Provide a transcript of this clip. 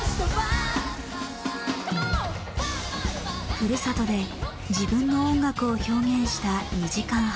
ふるさとで自分の音楽を表現した２時間半。